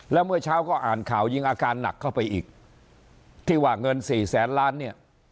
แล้วเมื่อเช้าก็อ่านข่าวยิงอาการหนักเข้าไปอีกที่ว่าเงินสี่แสนล้านเนี่ย